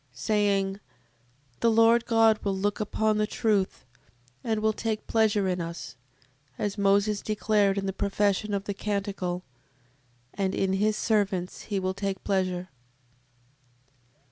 Saying: The Lord God will look upon the truth, and will take pleasure in us, as Moses declared in the profession of the canticle; And in his servants he will take pleasure.